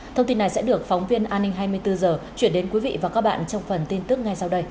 thông tin này sẽ được phóng viên an ninh hai mươi bốn h chuyển đến quý vị và các bạn trong phần tin tức ngay sau đây